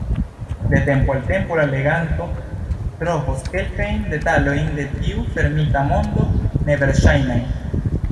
De tempo al tempo la leganto trovos kelkajn detalojn de tiu fermita mondo neverŝajnaj.